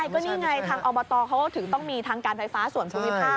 ก็นี่ไงทางอบตเขาก็ถึงต้องมีทางการไฟฟ้าส่วนภูมิภาค